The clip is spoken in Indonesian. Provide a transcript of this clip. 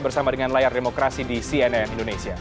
bersama dengan layar demokrasi di cnn indonesia